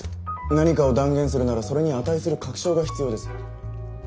何かを断言するならそれに値する確証が必要です。